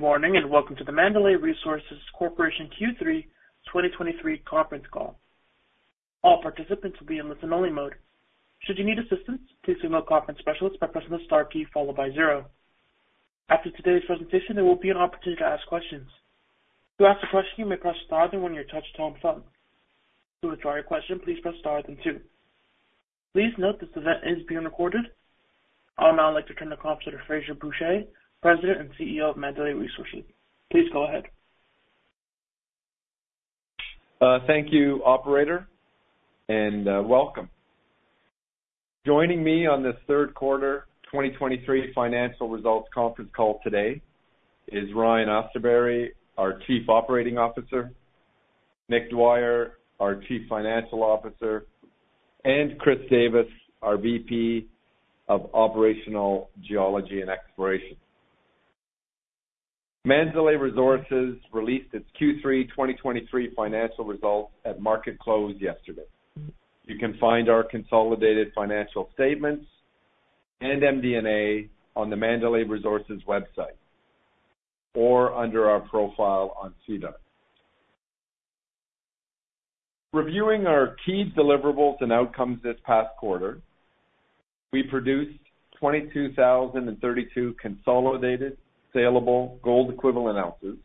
Good morning, and welcome to the Mandalay Resources Corporation Q3 2023 conference call. All participants will be in listen-only mode. Should you need assistance, please email conference specialist by pressing the star key followed by zero. After today's presentation, there will be an opportunity to ask questions. To ask a question, you may press star, then one your touchtone phone. To withdraw your question, please press star then two. Please note this event is being recorded. I would now like to turn the call over to Frazer Bourchier, President and CEO of Mandalay Resources. Please go ahead. Thank you, operator, and welcome. Joining me on this third quarter, 2023 financial results conference call today is Ryan Austerberry, our Chief Operating Officer, Nick Dwyer, our Chief Financial Officer, and Chris Davis, our VP of Operational Geology and Exploration. Mandalay Resources released its Q3 2023 financial results at market close yesterday. You can find our consolidated financial statements and MD&A on the Mandalay Resources website or under our profile on SEDAR. Reviewing our key deliverables and outcomes this past quarter, we produced 22,032 consolidated salable gold equivalent ounces,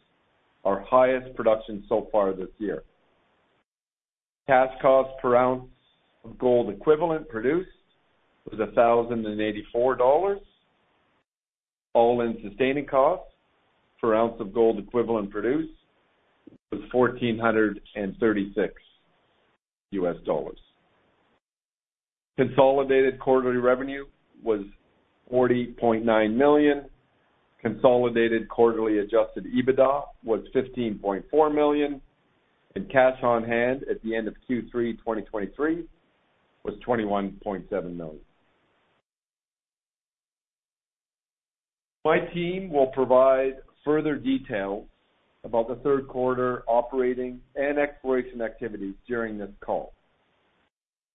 our highest production so far this year. Cash cost per ounce of gold equivalent produced was $1,084. All-in sustaining costs per ounce of gold equivalent produced was $1,436. Consolidated quarterly revenue was $40.9 million. Consolidated quarterly Adjusted EBITDA was $15.4 million, and cash on hand at the end of Q3 2023 was $21.7 million. My team will provide further details about the third quarter operating and exploration activities during this call.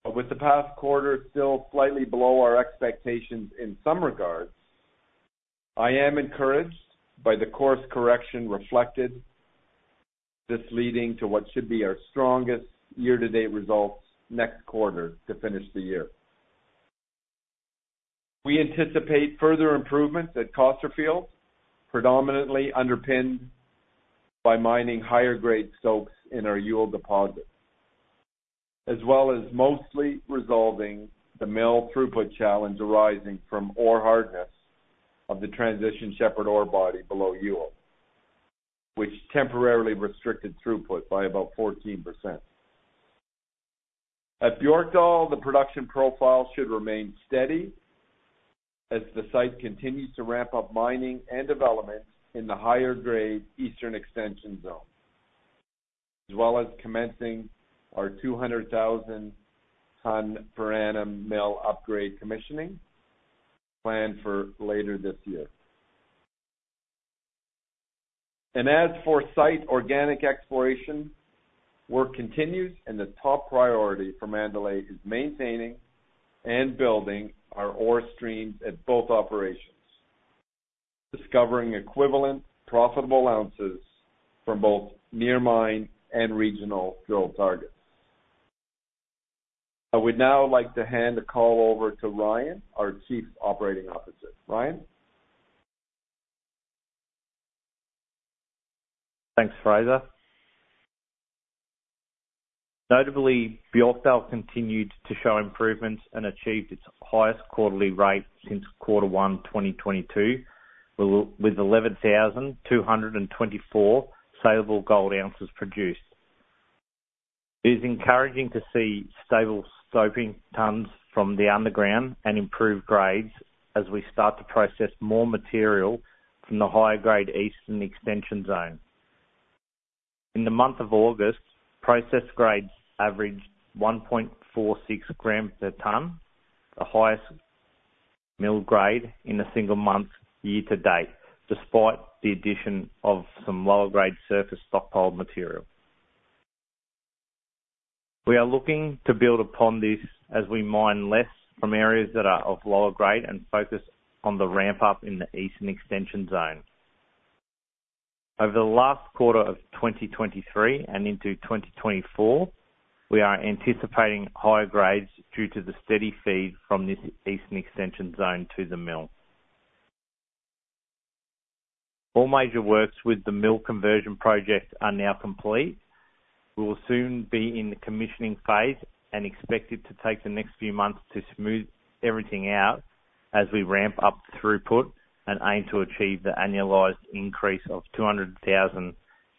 But with the past quarter still slightly below our expectations in some regards, I am encouraged by the course correction reflected, this leading to what should be our strongest year-to-date results next quarter to finish the year. We anticipate further improvements at Costerfield, predominantly underpinned by mining higher-grade stopes in our Youle deposit, as well as mostly resolving the mill throughput challenge arising from ore hardness of the transition Shepherd ore body below Youle, which temporarily restricted throughput by about 14%.At Björkdal, the production profile should remain steady as the site continues to ramp up mining and development in the higher-grade Eastern Extension ZoneThanks, Frazer. Notably, Björkdal continued to show improvements, and achieved its highest quarterly rate since quarter 1, 2022, with 11,224 saleable gold ounces produced. It is encouraging to see stable stoping tons from the underground and improved grades as we start to process more material from the higher-grade Extension Zone Over the last quarter of 2023, and into 2024, we are anticipating higher grades due to the steady feed from this Eastern Extension Zone to the mill. All major works with the mill conversion project are now complete. We will soon be in the commissioning phase and expect it to take the next few months to smooth everything out as we ramp up throughput and aim to achieve the annualized increase of 200,000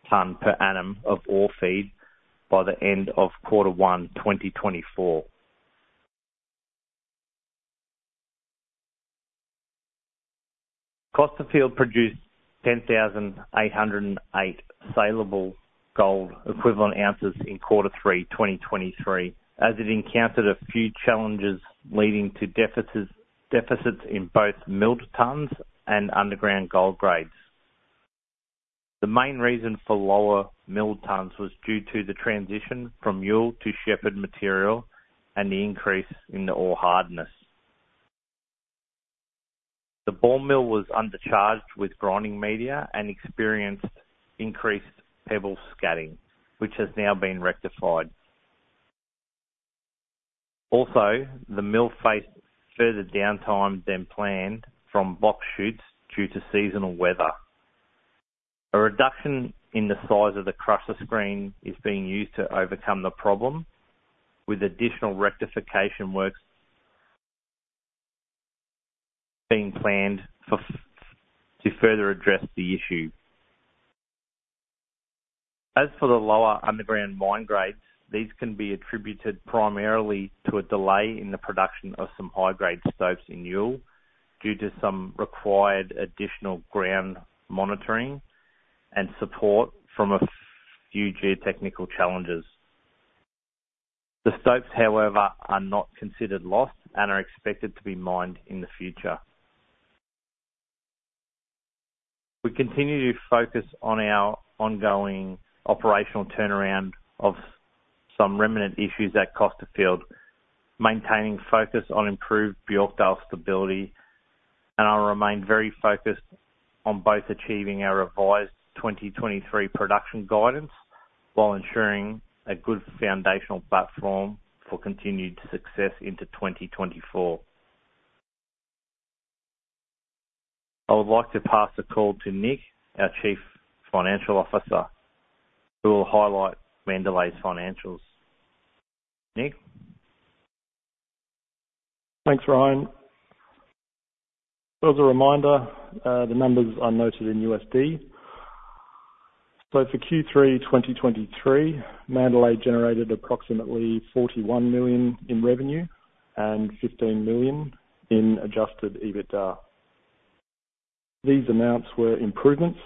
tons per annum of ore feed by the end of quarter one, 2024. Costerfield produced 10,800 salable gold equivalent ounces in quarter three, 2023, as it encountered a few challenges leading to deficits, deficits in both milled tons and underground gold grades. The main reason for lower mill tons was due to the transition from Youle to Shepherd material and the increase in the ore hardness. The ball mill was undercharged with grinding media and experienced increased pebble scatting, which has now been rectified. Also, the mill faced further downtime than planned from box chutes due to seasonal weather. A reduction in the size of the crusher screen is being used to overcome the problem, with additional rectification works being planned for, to further address the issue. As for the lower underground mine grades, these can be attributed primarily to a delay in the production of some high-grade stopes in Youle, due to some required additional ground monitoring and support from a few geotechnical challenges. The stopes, however, are not considered lost and are expected to be mined in the future. We continue to focus on our ongoing operational turnaround of some remnant issues at Costerfield, maintaining focus on improved Björkdal stability, and I'll remain very focused on both achieving our revised 2023 production guidance while ensuring a good foundational platform for continued success into 2024. I would like to pass the call to Nick, our Chief Financial Officer, who will highlight Mandalay's financials. Nick? Thanks, Ryan. As a reminder, the numbers are noted in USD. So for Q3 2023, Mandalay generated approximately $41 million in revenue and $15 million in adjusted EBITDA. These amounts were improvements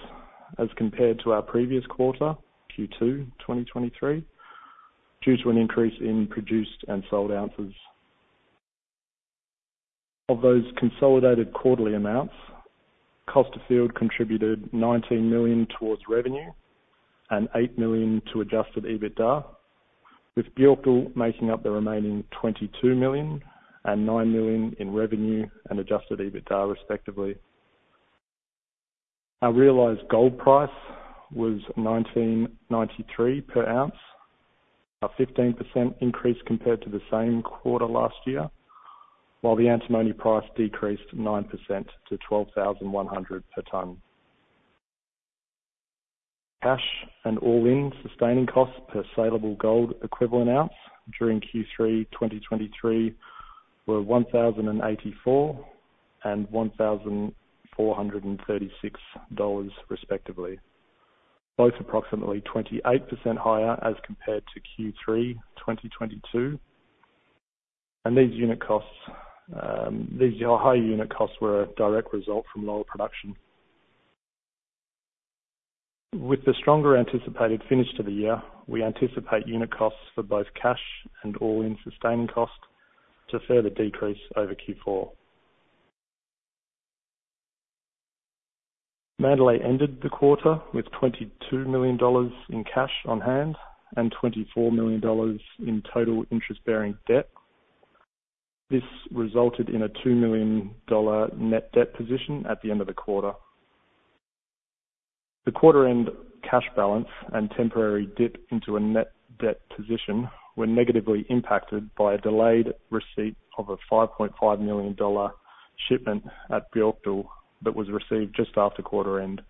as compared to our previous quarter, Q2 2023, due to an increase in produced and sold ounces. Of those consolidated quarterly amounts, Costerfield contributed $19 million towards revenue and $8 million to adjusted EBITDA, with Björkdal making up the remaining $22 million and $9 million in revenue and adjusted EBITDA, respectively. Our realized gold price was $1,993 per ounce, a 15% increase compared to the same quarter last year, while the antimony price decreased 9% to $12,100 per tonne. Cash and all-in sustaining costs per saleable gold equivalent ounce during Q3 2023 were $1,084 and $1,436, respectively, both approximately 28% higher as compared to Q3 2022. And these unit costs, these higher unit costs were a direct result from lower production. With the stronger anticipated finish to the year, we anticipate unit costs for both cash and all-in sustaining costs to further decrease over Q4. Mandalay ended the quarter with $22 million in cash on hand and $24 million in total interest-bearing debt. This resulted in a $2 million dollar net debt position at the end of the quarter. The quarter-end cash balance and temporary dip into a net debt position were negatively impacted by a delayed receipt of a $5.5 million shipment at Björkdal that was received just after quarter end.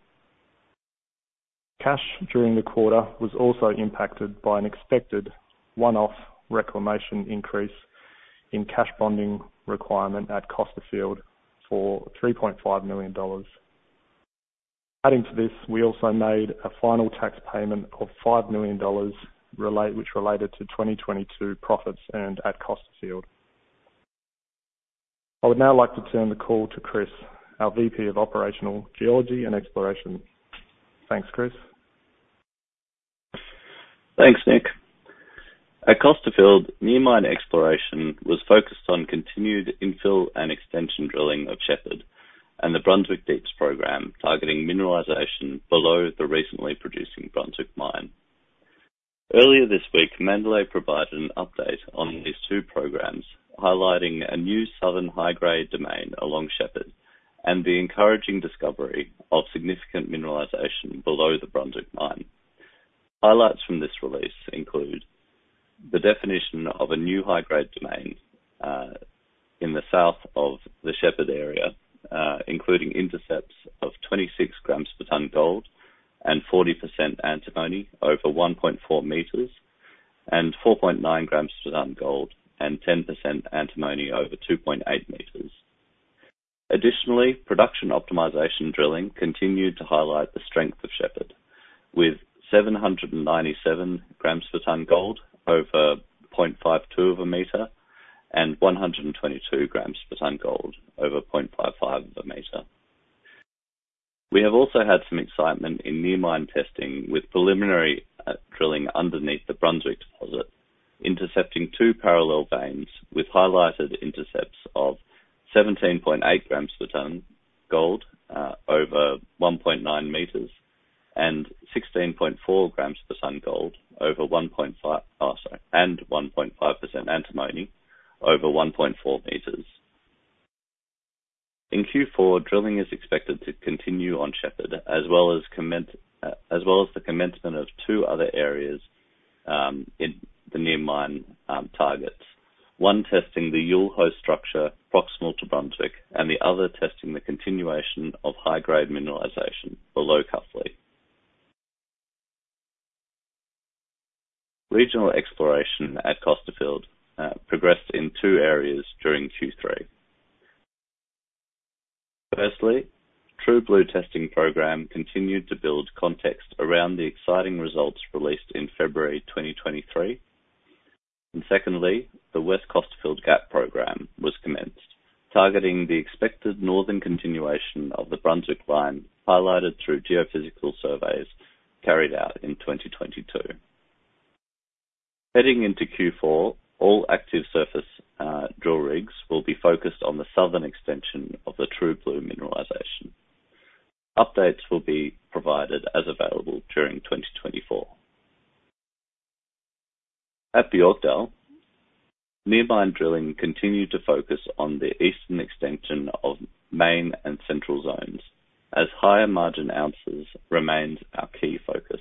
Cash during the quarter was also impacted by an expected one-off reclamation increase in cash bonding requirement at Costerfield for $3.5 million. Adding to this, we also made a final tax payment of $5 million which related to 2022 profits earned at Costerfield. I would now like to turn the call to Chris, our VP of Operational Geology and Exploration. Thanks, Chris. Thanks, Nick. At Costerfield, near mine exploration was focused on continued infill and extension drilling of Shepherd, and the Brunswick Deeps program, targeting mineralization below the recently producing Brunswick Mine. Earlier this week, Mandalay provided an update on these two programs, highlighting a new southern high-grade domain along Shepherd and the encouraging discovery of significant mineralization below the Brunswick Mine. Highlights from this release include: the definition of a new high-grade domain in the south of the Shepherd area, including intercepts of 26 grams per tonne gold and 40% antimony over 1.4 meters, and 4.9 grams per tonne gold and 10% antimony over 2.8 meters. Additionally, production optimization drilling continued to highlight the strength of Shepherd with 797 grams per tonne gold over 0.52 of a meter and 122 grams per tonne gold over 0.55 of a meter. We have also had some excitement in near-mine testing, with preliminary drilling underneath the Brunswick deposit, intercepting two parallel veins with highlighted intercepts of 17.8 grams per tonne gold over 1.9 meters, and 16.4 grams per tonne gold over 1.5, oh, sorry, and 1.5% antimony over 1.4 meters. In Q4, drilling is expected to continue on Shepherd, as well as commence, as well as the commencement of two other areas in the near-mine targets. One testing the Youle host structure proximal to Brunswick, and the other testing the continuation of high-grade mineralization below Cuffley. Regional exploration at Costerfield progressed in two areas during Q3. Firstly, True Blue testing program continued to build context around the exciting results released in February 2023. And secondly, the West Costerfield Gap program was commenced, targeting the expected northern continuation of the Brunswick Mine, highlighted through geophysical surveys carried out in 2022. Heading into Q4, all active surface drill rigs will be focused on the southern extension of the True Blue mineralization. Updates will be provided as available during 2024. At Björkdal, near mine drilling continued to focus on the eastern extension of Main and Central Zones, as higher margin ounces remains our key focus.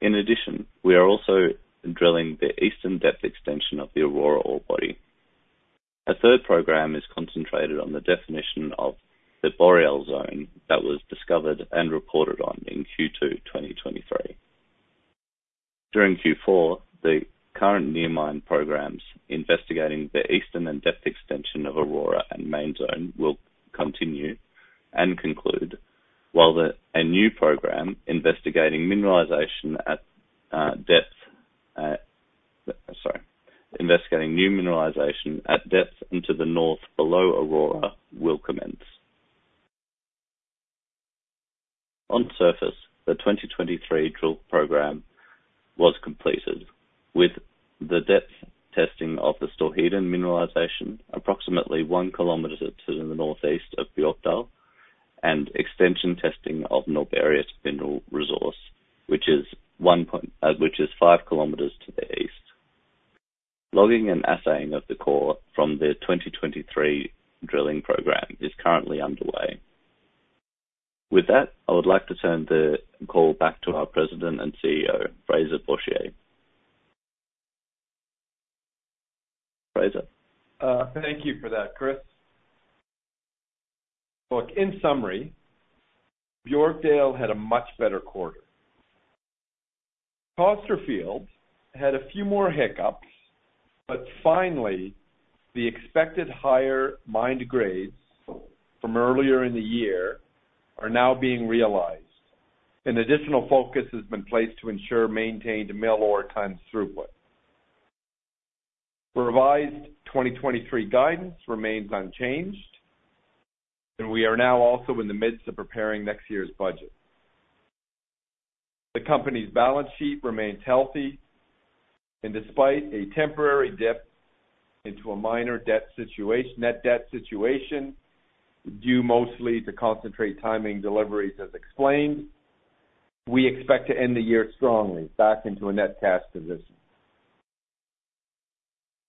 In addition, we are also drilling the eastern depth extension of the Aurora ore body. A third program is concentrated on the definition of the Boreal Zone that was discovered, and reported on in Q2 2023. During Q4, the current near mine programs investigating the eastern and depth extension of Aurora and Main Zone will continue and conclude, while a new program investigating new mineralization at depth into the north below Aurora, will commence. On surface, the 2023 drill program was completed, with the depth testing of the Storheden mineralization, approximately one kilometer to the northeast of Björkdal, and extension testing of Norrberget Resource, which is five kilometers to the east. Logging and assaying of the core from the 2023 drilling program is currently underway. With that, I would like to turn the call back to our President and CEO, Frazer Bourchier. Frazer? Thank you for that, Chris. Look, in summary, Björkdal had a much better quarter. Costerfield had a few more hiccups, but finally, the expected higher mined grades from earlier in the year are now being realized, and additional focus has been placed to ensure maintained mill ore times throughput. The revised 2023 guidance remains unchanged, and we are now also in the midst of preparing next year's budget. The company's balance sheet remains healthy, and despite a temporary dip into a minor debt - net debt situation, due mostly to concentrate timing deliveries, as explained, we expect to end the year strongly back into a net cash position.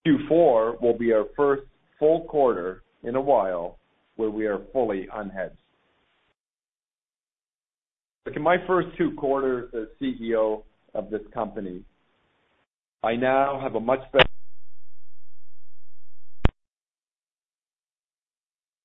Q4 will be our first full quarter in a while, where we are fully unhedged. Look, in my first two quarters as CEO of this company, I now have a much better-